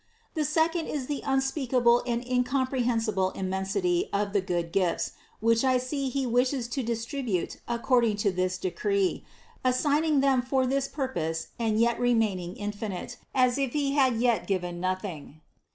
The second is the unspeakable and incompre hensible immensity of the good gifts, which I see He wishes to distribute according to this decree, assigning them for this purpose and yet remaining infinite, as if He had yet given nothing.